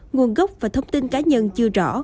nguồn gốc và thông tin cá nhân chưa rõ